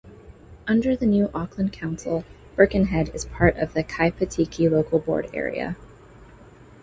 Under the new Auckland Council, Birkenhead is part of the Kaipatiki Local Board Area.